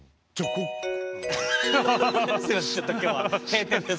すいませんちょっと今日は閉店です。